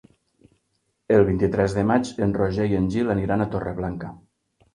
El vint-i-tres de maig en Roger i en Gil aniran a Torreblanca.